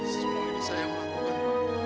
seminggu ini saya yang melakukan